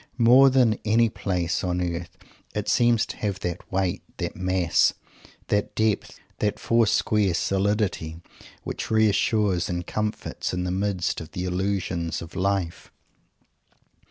More than any place on earth it seems to have that weight, that mass, that depth, that foursquare solidity, which reassures and comforts, in the midst of the illusions of life.